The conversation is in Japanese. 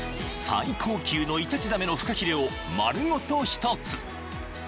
［最高級のイタチザメのフカヒレを丸ごと１つ］